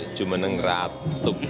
keresna cuma ngeratuk